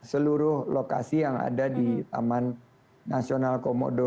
seluruh lokasi yang ada di taman nasional komodo